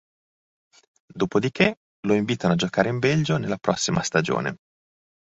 Dopodiché lo invitano a giocare in Belgio nella prossima stagione.